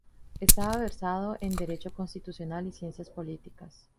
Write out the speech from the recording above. Estaba versado en derecho constitucional y ciencias políticas.